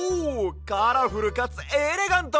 カラフルかつエレガント！